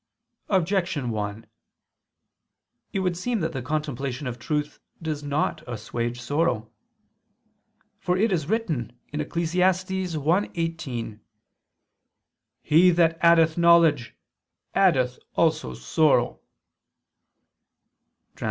Objection 1: It would seem that the contemplation of truth does not assuage sorrow. For it is written (Eccles. 1:18): "He that addeth knowledge addeth also sorrow" [Vulg.